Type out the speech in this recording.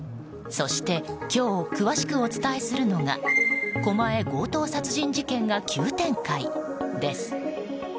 そして、今日詳しくお伝えするのが狛江・強盗殺人事件が急展開です。